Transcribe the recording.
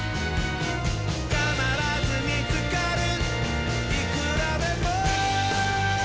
「かならずみつかるいくらでも」